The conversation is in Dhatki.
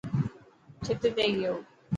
ڇت تي گيو.